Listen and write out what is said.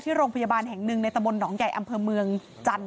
โรงพยาบาลแห่งหนึ่งในตะบนหนองใหญ่อำเภอเมืองจันทร์